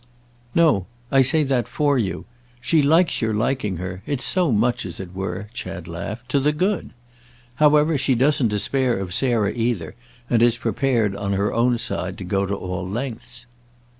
"No, I say that for you. She likes your liking her; it's so much, as it were," Chad laughed, "to the good. However, she doesn't despair of Sarah either, and is prepared, on her own side, to go all lengths."